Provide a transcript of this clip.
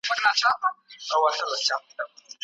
څنګه بشري حقونه پر نورو هیوادونو اغیز کوي؟